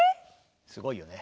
すごいよね。